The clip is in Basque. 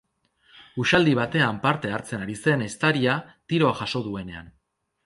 Uxaldi batean parte hartzen ari zen ehiztaria tiroa jaso duenean.